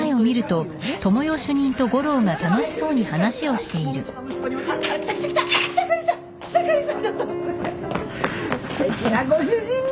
すてきなご主人ね。